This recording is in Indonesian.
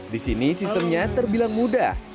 di sini sistemnya terbilang mudah